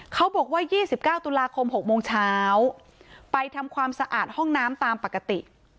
บอกว่า๒๙ตุลาคม๖โมงเช้าไปทำความสะอาดห้องน้ำตามปกติ